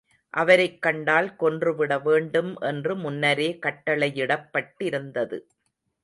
அவரைக் கண்டால் கொன்று விட வேண்டும் என்று முன்னரே கட்டளையிடப்பட்டிருந்தது.